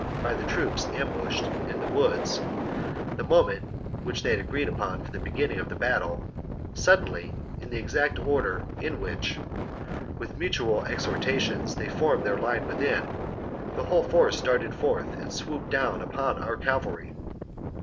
c. by the troops ambushed in the woods — the moment which they had agreed upon for beginning the battle — suddenly, in the exact order in which, with mutual exhortations, they had formed their line within, the whole force darted forth and swooped down upon our cavalry.